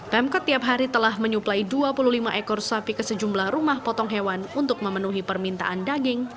pemkap tiap hari telah menyuplai dua puluh lima ekor sapi ke sejumlah rumah potong hewan untuk memenuhi permintaan daging